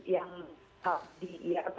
yang di ya apa